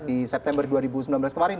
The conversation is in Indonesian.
di september dua ribu sembilan belas kemarin